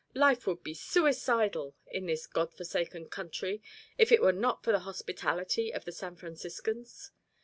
Life would be suicidal in this God forsaken country if it were not for the hospitality of the San Franciscans.